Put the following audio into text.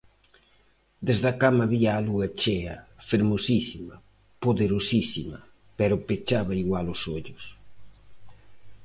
_Desde a cama vía a lúa chea, fermosísima, poderosísima, pero pechaba igual os ollos.